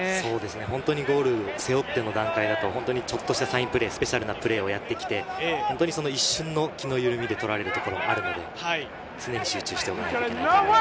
本当にゴールを背負っての段階だとちょっとした、サインプレー、スペシャルなプレーをやってきて、その一瞬の気の緩みで取られるという、常に集中しておかないといけないと思います。